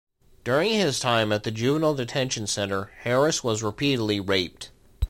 During his time at the juvenile detention centre, Harris was repeatedly raped.